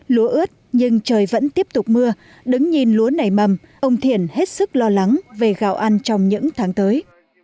lúa ướt nhưng trời vẫn tiếp tục mưa đứng nhìn lúa nảy mầm ông thiện hết sức lo lắng về gạo ăn trong những tháng tới